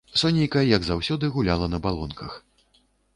Сонейка, як заўсёды, гуляла на балонках.